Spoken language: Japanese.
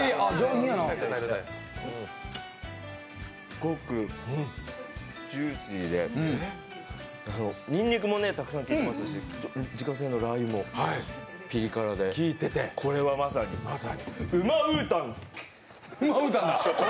すっごくジューシーでにんにくもたくさんきいてますし自家製のラー油のピリ辛で、これはまさに、ウマウータン！